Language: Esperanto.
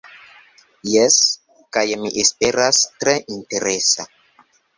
Jes, kaj, mi esperas, tre interesa.